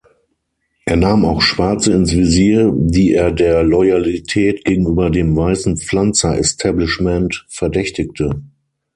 Er nahm auch Schwarze ins Visier, die er der Loyalität gegenüber dem weißen Pflanzer-Establishment verdächtigte.